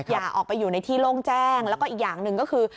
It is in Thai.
อย่าออกไปอยู่ในที่โล่งแจ้งแล้วก็อีกอย่างหนึ่งก็คือ